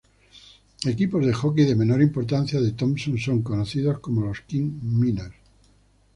Equipos de hockey de menor importancia de Thompson son conocidos como los "King Miners".